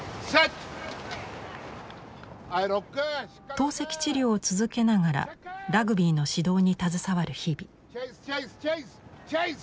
透析治療を続けながらラグビーの指導に携わる日々。